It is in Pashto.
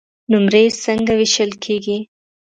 نمرې څنګه وېشل کیږي؟